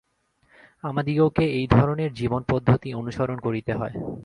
আমাদিগকে এই ধরনের জীবনপদ্ধতি অনুসরণ করিতে হয়।